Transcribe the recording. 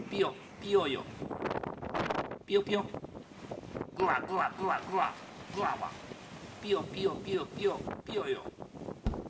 ピヨピヨピヨピヨピヨヨ。